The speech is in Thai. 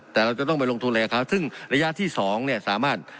แต่เราจะต้องไปลงทุนอะไรกับเขาซึ่งระยะที่สองเนี่ยสามารถ